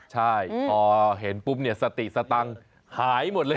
ใช่พอเห็นปุ๊บเนี่ยสติสตังค์หายหมดเลย